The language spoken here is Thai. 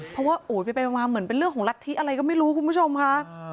เพราะว่าโอ้ยไปมาเหมือนเป็นเรื่องของรัฐธิอะไรก็ไม่รู้คุณผู้ชมค่ะ